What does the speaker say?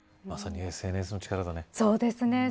まさにＳＮＳの力だね。